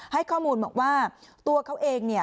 ให้ข้อมูลบอกว่าตัวเขาเองเนี่ย